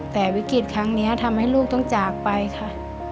แต่วิกฤตครั้งนี้ทำให้ลูกต้องจากไปค่ะ